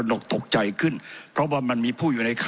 ผมจะขออนุญาตให้ท่านอาจารย์วิทยุซึ่งรู้เรื่องกฎหมายดีเป็นผู้ชี้แจงนะครับ